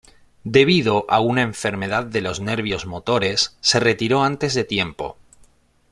Debido a una enfermedad de los nervios motores, se retiró antes de tiempo.